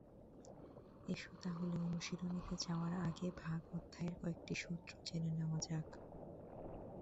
এসো তাহলে, অনুশীলনীতে যাওয়ার আগে ভাগ অধ্যায়ের কয়েকটি সূত্র জেনে নেওয়া যাক।